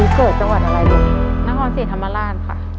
พ่อเสียนะ